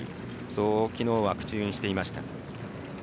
そう、きのうは口にしていました。